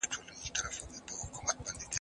واښه د زهشوم له خوا راوړل کيږي،